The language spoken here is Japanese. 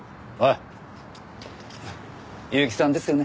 結城さんですよね？